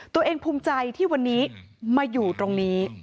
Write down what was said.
ตัวเองภูมิใจที่วันนี้มาอยู่ตรงนี้